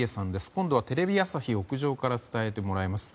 今度はテレビ朝日屋上から伝えてもらいます。